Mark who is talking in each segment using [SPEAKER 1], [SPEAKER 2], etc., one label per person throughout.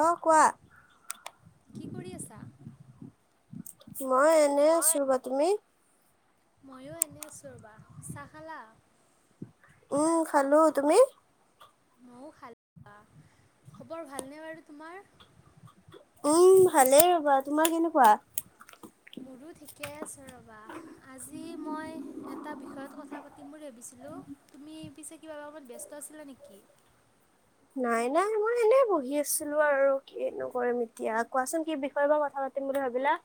[SPEAKER 1] অঁ কোৱা।
[SPEAKER 2] কি কৰি আছা।
[SPEAKER 1] মই এনে আছো ৰবা তুমি?
[SPEAKER 2] মইয়ো এনে আছোঁ ৰ'বা চাহ খালা।
[SPEAKER 1] উম খালো তুমি।
[SPEAKER 2] মইও খালো এতিয়া খবৰ ভালনে বাৰু তোমাৰ।
[SPEAKER 1] উম ভালেই ৰবা, তোমাৰ কেনেকুৱা?
[SPEAKER 2] ঠিকে আছে ৰ'বা আজি মই এটা বিষয়ত কথা পাতিম। ম বুলি ভাবিছিলোঁ তুমি পিছে কিবা কামত ব্যস্ত আছিলা নেকি।
[SPEAKER 1] নাই নাই মই এনে বহি আছিলো আৰু কি নো কৰিম এতিয়া কোৱাচোন কি বিষয়ে বা কথা পাতিম বুলি ভাবিলা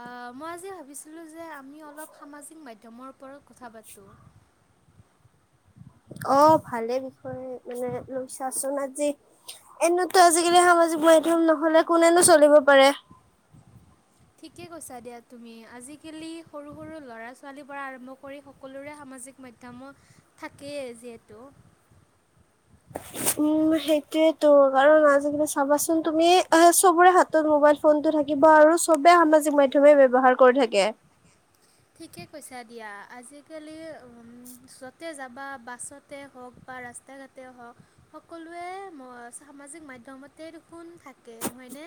[SPEAKER 2] অ মই যে ভাবিছিলোঁ যে। আমি অলপ সামাজিক মাধ্যমৰ ওপৰত কথা পাতোঁ। [unintelligible]
[SPEAKER 1] অ ভালে বিষয় মানে লৈছাচোন আজি, এনেতো আজিকালি সামাজিক সামাজিক মাধ্যম‌ নহলে কোনেনো চলিব পাৰে।
[SPEAKER 2] [unintelligible] ঠিকে কৈছা দিয়া তুমি। আজিকালি সৰু-সৰু লৰা-ছোৱালী পৰা আৰম্ভ কৰি সকলোৰে সা মাজিক মাধ্যমৰ থাকেই যিহেতু।
[SPEAKER 1] উম সেইটোৱেটো। কাৰণ আজিকালি চাবাচোন তুমি, চবৰে হাতত মোবাইল ফোনটো থাকিব আৰু চবেই সামাজিক মাধ্যমে ব্যৱহাৰ কৰি থাকে।
[SPEAKER 2] [inaudible] ঠিকে কৈছা দিয়া। আজিকালি উম য'তে যাবা বাছতে হওক বা ৰাস্তা ঘাটে হওঁক। সকলোৱে সামাজিক ‍ মাধ্যমতে দেখোন থাকে। নহয় নে? নে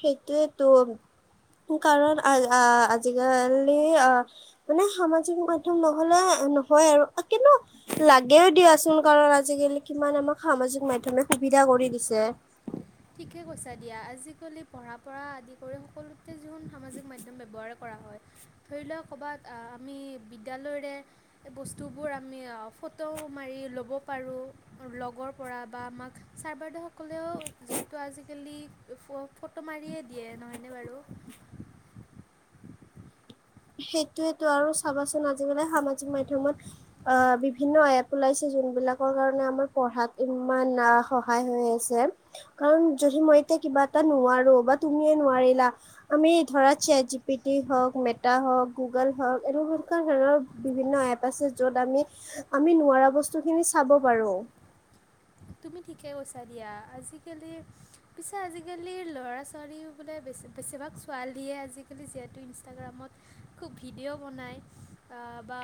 [SPEAKER 1] সেইটোৱেটো। কাৰণ আ আজিকালি আহ মানে সামাজিক মাধ্যম নহ'লে নহয় আৰু কিন্তু লাগেওঁ দিয়াচোন। কাৰণ আজি কালি কিমান আমাক সামাজিক মাধ্যমে সুবিধা কৰি দিছে।
[SPEAKER 2] [inaudible] ঠিকে কৈছা দিয়া। আজিকালি পঢ়া পৰা আদি কৰি সকলোতে দেখোন সামাজিক মাধ্যম ব্যৱহাৰে কৰা হয়। ধৰি লোৱা কবাত আমি বিদ্যালয়ৰে বস্তুবোৰ আমি ফটোও মাৰি ল'ব পাৰোঁ। লগৰ পৰা বা আমাক ছাৰ বাইদেউসকলেও আজি কালি ফ ফটো মাৰিয়ে দিয়ে। নহয়নে বাৰু?
[SPEAKER 1] সেইটোৱেটো আৰু চাবাচোন আজিকালি সামাজিক মাধ্যমত অ বিভিন্ন এপ ওলাইছে যোন বিলাকৰ কাৰণে আমাৰ পঢ়াত ইমান সহায় হ'য় আছে। কাৰণ যদি মই এতিয়া কিবা এটা নোৱাৰোঁ বা তুমিয়ে নোৱাৰিলা, আমি ধৰা চেট জি পি টি হওঁক মে টা হওক গুগল হওক [unintelligible] বিভিন্ন এপ আছে যত আমি, আমি নোৱাৰা বস্তু বস্তু খিনি চাব পাৰোঁ।
[SPEAKER 2] [inaudible] তুমি ঠিকে কৈছা দিয়া। আজি কালি পিছে আজি কালি ল'ৰা ছোৱালী বোলে বেছি বেছিভাগ ছোৱালীয়ে আজিকালি যিহেতু ইনষ্টাগ্ৰামত খুব ভিডিঅ' বনায় বা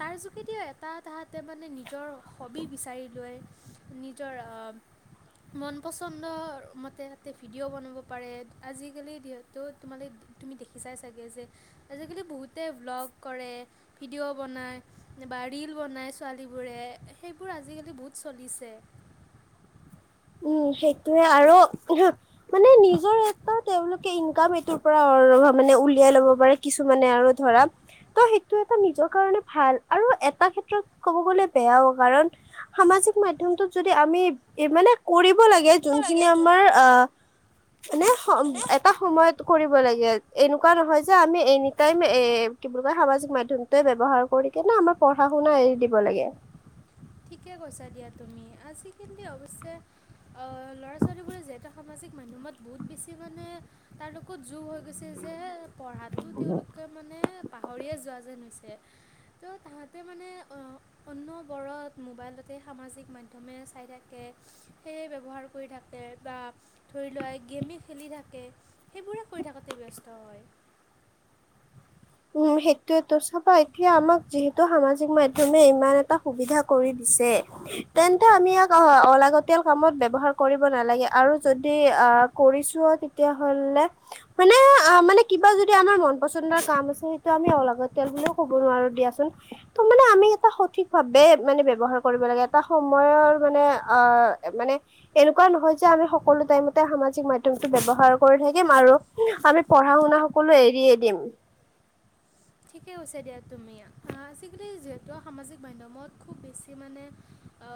[SPEAKER 2] তাৰ যোগেদিও এটা তাহাঁতে মানে নিজৰ হবি বিচাৰি লয়, নি জৰ আম মন পচন্দৰ মতে তাতে ভিডিঅ' বনাব পাৰে। আজি কালি যিহেতু তোমালে তুমি দেখি চাই চাগে যে আজিকালি বহুতে ভ্লগ কৰে, ভিডিঅ' বনায় বা ৰিল বনাই ছোৱালীবোৰে। সেইবোৰ আজিকালি বহুত চলিছে।
[SPEAKER 1] উম সেইটোৱে আৰু ওহো নিজৰ এটা তেওঁলোকে ইনকাম এইটোৰ পৰা মানে উলিয়াই ল'ব পাৰে কিছুমানে আৰু ধৰা। ত সেইটো এটা নিজৰ কাৰণে ভাল আৰু এটা ক্ষেত্ৰত কব গলে বেয়াওঁ। কাৰণ সামাজি জিক মাধ্যমটোত যদি আমি মানে কৰিব লাগে যোনখিনি আমাৰ আহ মানে এটা সময়ত কৰিব লাগে। এনেকুৱা নহয় যে আমি এনি টাইম এ কি বুলি কয়? সামাজিক মাধ্যমতে ব্যৱহাৰ কৰি কিনে আমাৰ পঢ়া শুনা এৰি দিব লাগে।
[SPEAKER 2] [inaudible] ঠিকে কৈছা দিয়া তুমি, আজিকালি অৱশ্যে আহ ল'ৰা-ছোৱালীবোৰে যিহেতু সামাজিক মা ধ্যমত বহুত বেছি মানে তাৰ লগত যোগ হৈ গৈছে যে পঢ়াটো তেওঁলোকে মানে পাহৰিয়ে যোৱা যেন হৈছে। ত' তাহাঁতে মানে অ অনবৰত মোবাইলতে সামাজিক মাধ্যমে চাই থাকে, সেয়ে ব্যৱহাৰ কৰি থাকে বা ধৰি লোৱা এ গেমে খেলি থাকে, সেইবোৰে কৰি থাকোঁতে ব্যস্ত হয়।
[SPEAKER 1] উম সেইটোৱেটো। চাবা এতিয়া আমাক যিহেতু সামাজিক মাধ্যমে ইমান এটা সুবিধা কৰি দি ছে তেন্তে আমি ইয়াক অ অলাগতিয়াল কামত ব্যৱহাৰ কৰিব নালাগে আৰু যদি আ কৰিছোও তেতিয়া হলে মানে আ মানে কিবা যদি আমাৰ মন পচন্দৰ কাম আছে সেইটো আমি অলাগতিয়াল বুলিও ক'ব নোৱাৰো দিয়াচোন। ত মানে আমি এটা সঠিক ভাৱে মানে ব্যৱহাৰ কৰিব লাগে। এটা সময়ৰ মানে অ মানে তেনেকুৱা নহয় যে আমি সকলো টাইমতে সামাজিক মাধ্যযমটো ব্যৱহাৰ কৰি থাকিম আৰু আমি পঢ়া শুনা সকলো এৰিয়ে দিম।
[SPEAKER 2] ঠিকেই হৈছে দিয়া তুমি আজিকালি যিহেতু সামাজিক মাধ্যমত খুব বেছি মানে অ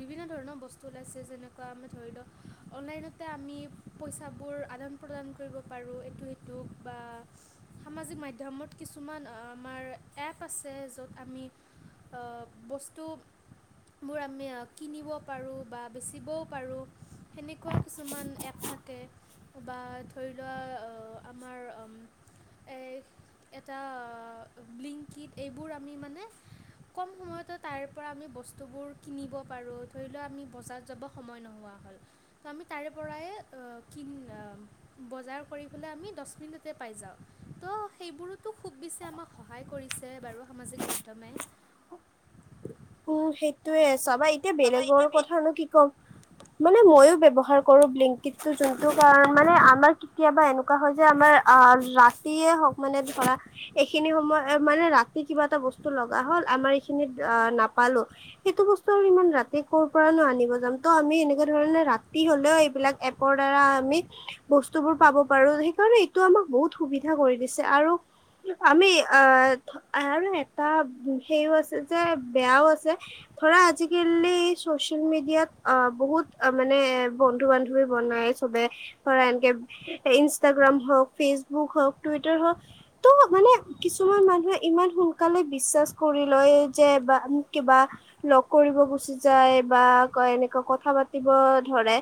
[SPEAKER 2] বিভিন্ন ধৰণৰ বস্তু ওলাইছে, যেনেকুৱা আমি ধৰি ল অনলাইনতে আমি পইচা বোৰ আদান প্ৰদান কৰিব পাৰোঁ, ইটো সিটো বা সামাজিক মাধ্যমত কিছু কিছুমান আমাৰ এপ আছে য'ত আমি অ বস্তু বোৰ আমি কিনিব পাৰোঁ বা বেচিবও পাৰোঁ। সেনেকুৱাও কিছুমান এপ থাকে। বা ধৰি লোৱা আমাৰ এই এটা ব্লীংকীট এইবোৰ আমি মানে কম সময়তে তাৰ পৰা আমি বস্তুবোৰ কিনিব পাৰোঁ। ধৰি লোৱা আমি বজাৰত যাব সময় নোহোৱা ত আমি তাৰে পৰায়ে বজাৰ কৰিবলে আমি দশ মিনিটতে পাই যাওঁ, ত সেইবোৰত খুব বেছি আমাক সহায় কৰিছে বাৰু সামাজিক মাধ্যমে।
[SPEAKER 1] উম সেইটোয়ে। চাবা এতিয়া বেলেগৰ কথানো কি ক'ম, মানে মইয়ো ব্যৱহাৰ কৰোঁ ব্লিংকিত যোনটো কাৰণ মানে আমাৰ কেতিয়াবা এনেকুৱা হয় যে আমাৰ আ ৰাতিয়ে ধৰা এইখিনি সময় মানে ৰাতি কিবা এটা বস্তু লগা হল। আমাৰ এইখিনিত নাপ পালো সেইটো বস্তু আৰু ইমান ৰাতি কৰপৰা নো আনিব যাম। ত' আমি সেনেকা ধৰণে ৰাতি হ'লেও বিলাক এপৰদ্বাৰা আমি বস্তুবোৰ পাব পাৰো সেইকাৰণে সেইটো আমাক বহুত সুবিধা কৰি দিছে আৰু আমি আ আৰু এটা হেৰিয়ো আছে যে বেয়াও আছে। ধৰা আজিকালি চচিয়েল মিডিয়াত, অ বহুত মানে বন্ধু বান্ধৱী ফোন মাৰি ছবে ধৰ অনেকে ইনষ্টাগ্ৰাম হওঁক, ফেচবুক হওঁক, টুইটাৰ হওঁক ত মানে কিছুমান মানুহে ইমান সোনকালে বিশ্বাস কৰি লয় যে বা আমাক কিবা লগ কৰিব গুচি যায় বা কয় এনেকুৱা কথা পাতিব ধৰে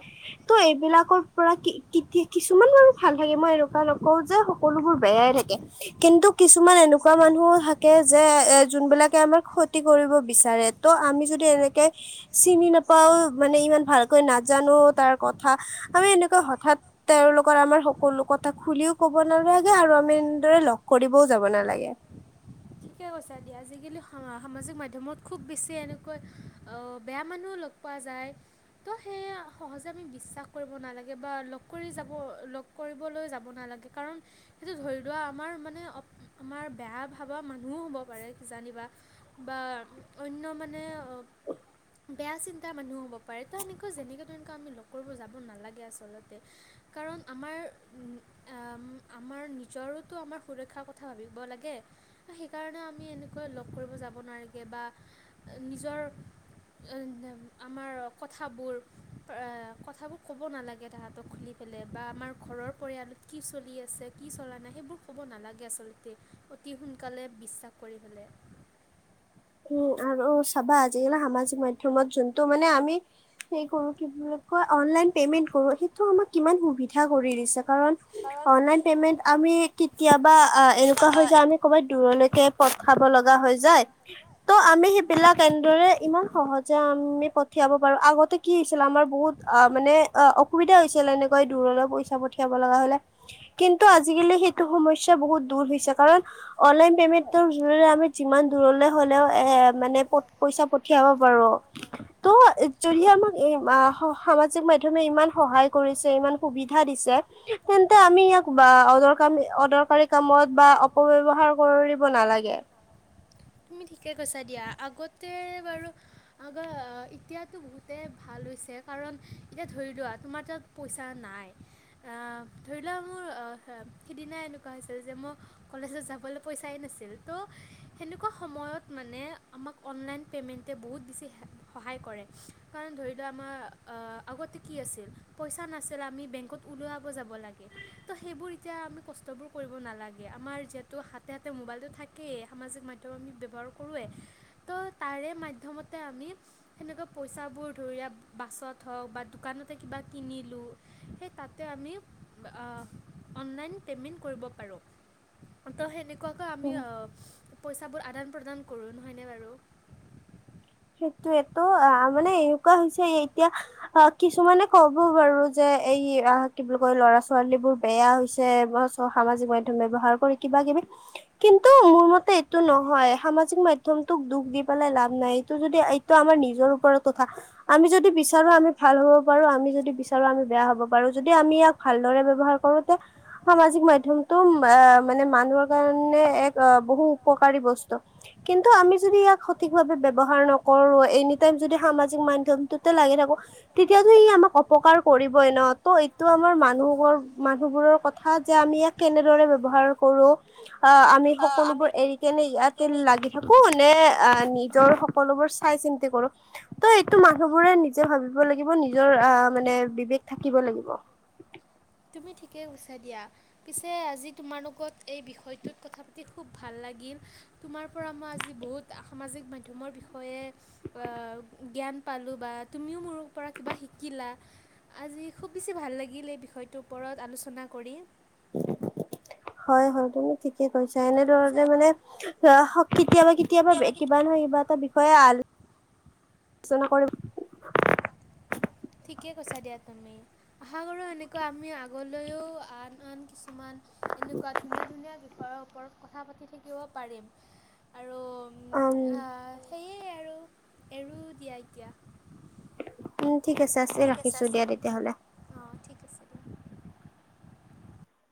[SPEAKER 1] ত' এইবিলাকৰ পৰা কি কি কিছুমান বাৰু ভাল থাকে। মই এনেকুৱা নকওঁ যে সকলোবোৰ বে য়াই থাকে। কিন্তু কিছুমান এনেকুৱা মানুহ থাকে যে এ যোনবিলাকে আমাৰ ক্ষতি কৰিব বিচাৰে ত' আমি যদি এনেকে চিনি নাপাও মানে ইমান ভালকৈ নাজানো তাৰ কথা আমি এনেকুৱা হঠাৎ তেওঁলোকৰ আমাৰ সকলো কথা খুলিও কব নালাগে আৰু আমি এনেদৰে লগ কৰিবও যাব নালাগে।
[SPEAKER 2] [unintelligible] ঠিকে কৈছে দিয়া। আজিকালি সা সামাজিক মাধ্যমত খুব বেছি এনেকৈ অহ বেয়া মানুহ লগ পোৱা যায়। ত' সেয়া সহজে আমি বিশ্বাস কৰিব নালাগে বা লগ কৰি যাব লগ কৰিবলৈ যাব নালা কাৰণ সেইটো ধৰি লোৱা আমাৰ মানে আমাৰ বেয়া ভাৱক মানুহ হ'ব পাৰে কিজানিবা বা অন্য মানে বেয়া চিন্তা মানুহ হ'ব পাৰে ত এনেকুৱা যেনেকে তেনেকুৱা আমি লগ কৰিব যাব নালাগে আচলতে। কাৰণ আমাৰ আ আমাৰ নিজৰোতো আমাৰ সুৰক্ষাৰ কথা ভাবিব লাগে। সেইকাৰণে আমি এনেকৈ লগ কৰিব যাব নালাগে বা নিজৰ আ আ আমাৰ কথাবোৰ এ কথাবোৰ ক'ব নালাগে তাহাঁতক খুলি। মানে বা আমাৰ ঘৰৰ পৰিয়ালত কি চলি আছে, কি চলা নাই সেইবোৰ ক'ব নালাগে আচলতে, অতি সোন কালে বিশ্বাস কৰিবলে।
[SPEAKER 1] আৰু চাবা আজিকালি সামাজিক মাধ্যমত যোনটো মানে আমি সেই কৰো কি বুলি কয় অনলাইন পেমেণ্ট কৰো সেইটো আমাক কিমান সুবিধা কৰি দিছে। কাৰণ অনলাইন পেমেণ্ট আমি কেতিয়াবা আহ এনেকুৱা হৈ যায় আমি ক'ৰবাত দূৰলৈকে পথ খাব লগা হৈ যায় ত' আমি সেইবিলাক এনেদৰে ইমান সহজে আমি পঠিয়াব পাৰো, আগতে কি হৈছিল আমাৰ বহুত অ মানে অ অসুবিধা হৈছিল এনেকৈ দূৰলৈ পইচা পঠিয়াব লগা হলে, কিন্তু আজিকালি সেইটো সমস্যা বহুত দূৰ হৈছে কাৰণ অনলাইন পেমেণ্টৰ জোৰেৰে আমি যিমান দূৰলে হলেও এ মানে পইচা পঠিয়াব পাৰো ত' যদি আমাক এই স সামাজিক মাধ্যমে ইমান সহায় কৰিছে ইমান সুবিধা দিচে তেন্তে আমি ইয়াক আ অদৰকামি অদৰকাৰী কামত বা অপব্যৱহাৰ কৰিব নালাগে।
[SPEAKER 2] তুমি ঠিকে কৈছা দিয়া আগতে বাৰু, আগ এতিয়াতো বহুতে ভাল হৈছে। আছে কাৰণ এতিয়া ধৰি লোৱা তোমাৰ তাত পইচা নাই অহ, ধৰি লোৱা মোৰ অ' সিদিনা এনেকুৱা হৈছিল যে মই কলেজত যাবলৈ পইচাই নাছিল। নাছিল ত'সে এনেকুৱা সময়ত মানে আমাক অনলাইন পে'মেণ্টে বহুত বেছি সহায় কৰে কাৰণ ধৰি আমাৰ আগতে কি আছিল পইচা নাছিল আমি বেংকত উলিয়াব যাব লাগে ত সেইবোৰ এতিয়া আমি কষ্ট বোৰ কৰিব নালাগে। আমাৰ যিহেতু হাতে- হাতে মোবাইলটো থাকেই সামাজিক মাধ্যম দৈনিক ব্যৱহাৰ কৰোৱেই ত'তাৰে মাধ্যমতে আমি সেনেকোৱা পইচাবোৰ ধৰি বাছত হওক বা দোকানতে কিবা কিনিলোঁ সেই তাতে আমি অহ অনলাইন পেমেণ্ট কৰিব পাৰোঁ ত'সেনেকুৱা কোৱা -কোৱা আমি পইচাবোৰ আদান- প্ৰদান কৰো নহয়নে বাৰু?
[SPEAKER 1] সেইটোয়েতো অ', মানে এনেকুৱা হৈছে এতিয়া অ', কিছুমানে ক'ব বাৰু যে এই কি বুলি কয় ল'ৰা -ছোৱালী বোৰ বেয়া হৈছে সামাজিক মাধ্যম ব্যৱহাৰ কৰি কিবা - কিবি কিন্তু, মোৰ মতে এইটো নহয় সামাজিক মাধ্যমতোক দুখ দি পেলাই লাভ নাই। যদি এইটো আমাৰ নিজৰ ওপৰত কথা আমি যদি বিচাৰো আমি ভাল হ'ব পাৰো, আমি যদি বিচাৰো আমি বেয়া হব পাৰোঁ যদি আমি ইয়াক ভাল দৰে ব্যৱহাৰ কৰোঁ তে সামাজিক মাধ্যমটো অহ হৰ কাৰণে এক বহু উপকাৰী বস্তু। কিন্তু আমি যদি ইয়াক সঠিক ভাৱে ব্যৱ ব্যৱহাৰ নকৰোঁ এনীটাইম যদি সামাজিক মাধ্যমটোতে লাগি থাকো তেতিয়াটো ই আমাক অপকাৰ কৰি কৰিবই ন' তহ এইটো আমাৰ মানুহবোৰৰ কথা যে আমি ইয়াক কেনেদৰে ব্যৱহাৰ কৰো। আৰু আ' আমি সকলোবোৰ এৰি কেনে ইয়াতে লাগি থাকো নে, আ' নিজৰ শক সকলোবোৰ চাই চিন্তি কৰো ত' এইটো মানুহবোৰে নিজে ভাবিব লাগিব নিজৰ অ' মানে থাকিব লাগিব।
[SPEAKER 2] [inaudible] তুমি ঠিকেই কৈছা দিয়া পিছে আজি তোমাৰ লগত এই বিষয়টোত কথা পাতি খুব ভাল লাগিল। তোমাৰ পৰা মই আজি বহুত সামাজিক মাধ্যমৰ বিষয়ে আ জ্ঞান পা পালোঁ বা তুমিও মোৰো পৰা কিবা শিকিলা আজি খুব বেছি ভাল লাগিল এই বিষয়ত ওপৰত আলোচনা কৰি।
[SPEAKER 1] হয়- হয় তুমি ঠিকে কৈছা এনেধৰণে মানে সঠিক কেতিয়াবা- কেতিয়াবা কিবা নহয় কিবা এটা আলোচনা কৰিব [unintelligible]
[SPEAKER 2] ঠিকে কৈছা দিয়া তুমি আশা কৰো এনেকুৱা আমি আগলৈও আন- আন কিছু কিছুমান এনেকুৱা ধুনীয়া- ধুনীয়া বিষয়ৰ ওপৰত কথা পাতি থাকিব পাৰিম। আৰু এৰো দিয়া এতিয়া।
[SPEAKER 1] ঠিক আছে -আছে ৰাখিছো দিয়া তেতিয়াহ'লে।